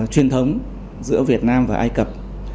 truyền thống giữa việt nam và ai cập